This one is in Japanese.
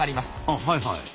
あはいはい。